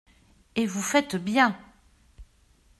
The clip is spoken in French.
Et vous faites bien !